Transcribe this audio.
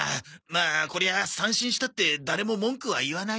まあこれは三振したって誰も文句は言わないよ。